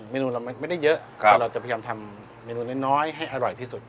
เนนูเราไม่ได้เยอะแต่เราจะพยายามทำเมนูน้อยให้อร่อยที่สุด